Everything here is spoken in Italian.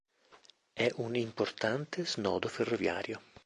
È un importante snodo ferroviario.